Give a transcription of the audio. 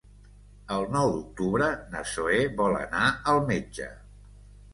El nou d'octubre na Zoè vol anar al metge.